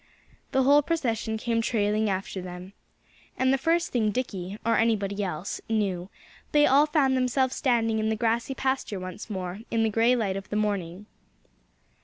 The whole procession came trailing after them. And the first thing Dickie or anybody else knew, they all found themselves standing in the grassy pasture once more, in the gray light of the morning.